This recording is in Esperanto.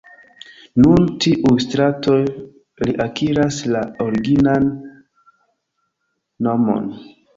Nun tiuj stratoj reakiras la originan nomon.